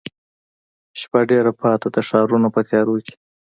شپه ډېره پاته ده ښارونه په تیاروکې،